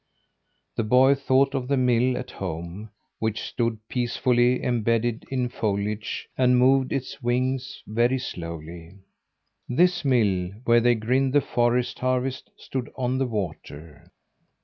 The boy thought of the mill at home, which stood peacefully embedded in foliage, and moved its wings very slowly. This mill, where they grind the forest harvest, stood on the water.